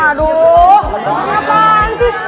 aduh apaan sih